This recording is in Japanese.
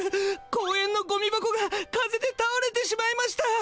公園のゴミ箱が風でたおれてしまいました。